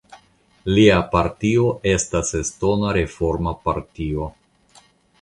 Lia partio estas Estona Reforma Partio.